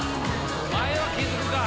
前は気付くか。